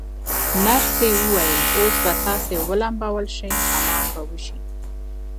نرسې وویل: اوس به تاسي ولمبول شئ، حمام به وشی.